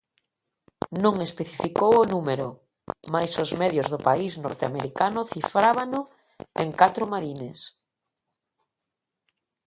Non especificou o número, mais os medios do país norteamericano cifrábano en catro marines.